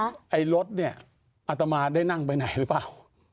คุณผู้อุโยงไอ่รถเนี่ยอาตมาได้นั่งไปไหนหรือเปล่า